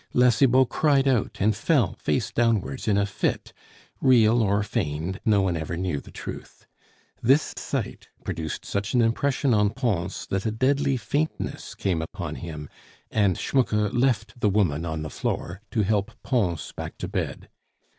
La Cibot cried out, and fell face downwards in a fit; real or feigned, no one ever knew the truth. This sight produced such an impression on Pons that a deadly faintness came upon him, and Schmucke left the woman on the floor to help Pons back to bed.